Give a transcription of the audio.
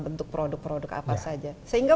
bentuk produk produk apa saja sehingga